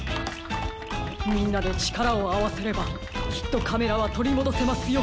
みんなでちからをあわせればきっとカメラはとりもどせますよ。